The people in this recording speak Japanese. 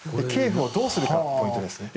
キエフをどうするかがポイントです。